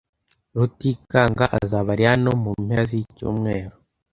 Rutikanga azaba ari hano mu mpera zicyumweru.